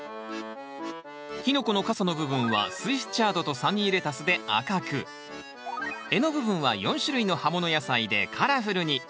キノコの傘の部分はスイスチャードとサニーレタスで赤く柄の部分は４種類の葉もの野菜でカラフルに。